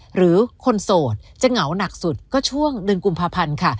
หรือคนโสดจะเหงาหนักสุดก็ช่วงเดือนกุมภาพันธ์ค่ะ